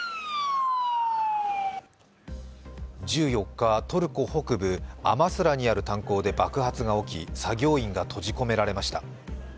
１４日、トルコ北部アマスラにある炭鉱で爆発が起き作業員が閉じ込められました。